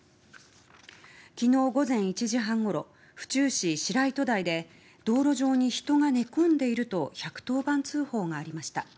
昨日午前１時半ごろ府中市白糸台で道路上に人が寝込んでいると１１０番通報がありました。